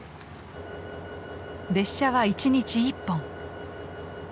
列車は１日１本。